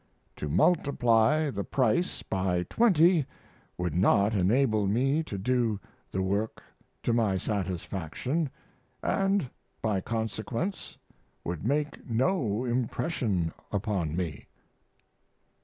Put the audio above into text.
To multiply the price by twenty would not enable me to do the work to my satisfaction, & by consequence would make no impression upon me.